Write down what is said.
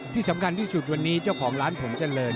ที่สำคัญที่สุดวันนี้เจ้าของร้านผมเจริญ